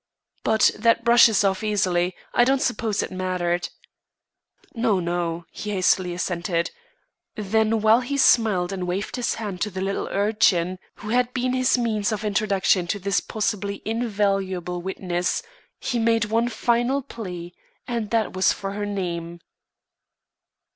"But that brushes off easily; I don't suppose it mattered." "No, no," he hastily assented. Then while he smiled and waved his hand to the little urchin who had been his means of introduction to this possibly invaluable witness, he made one final plea and that was for her name.